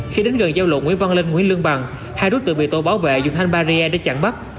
khi đến gần giao lộ nguyễn văn linh nguyễn lương bằng hai đối tượng bị tổ bảo vệ dùng thanh barrier để chặn bắt